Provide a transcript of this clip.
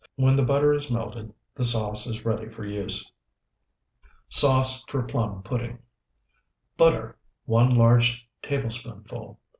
When the butter is melted, the sauce is ready for use. SAUCE FOR PLUM PUDDING Butter, 1 large tablespoonful.